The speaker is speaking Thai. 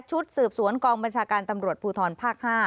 ชุดสืบสวนกองบัญชาการตำรวจภูทรภาค๕